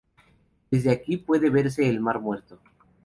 Desde aquí puede verse el mar Muerto.